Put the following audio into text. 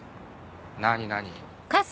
何何？